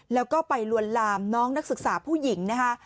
แล้วก็ไปลวนลามน้องนักศึกษาผู้หญิงนะคะ